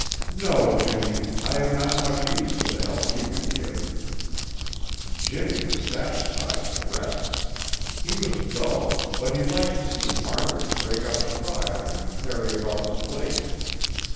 "No, Jimmy. I have not much use for the help you could give." Jimmy was satisfied to rest. He was dull, but he liked to see Margaret break up the fire and carry about the plates.